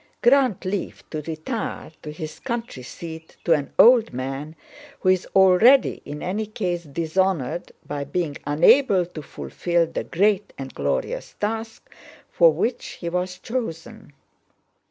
"'Grant leave to retire to his country seat to an old man who is already in any case dishonored by being unable to fulfill the great and glorious task for which he was chosen.